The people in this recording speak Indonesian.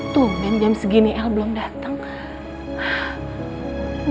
tungguin jam segini el belum dateng